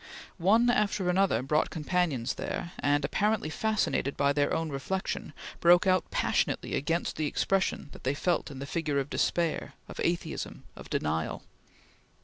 One after another brought companions there, and, apparently fascinated by their own reflection, broke out passionately against the expression they felt in the figure of despair, of atheism, of denial.